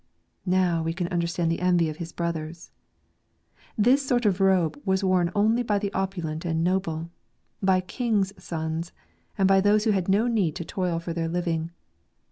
Now we can understand the envy of his brothers. This sort of robe was worn only by the opulent and noble, by kings' sons, and by those who had no need to toil for their living.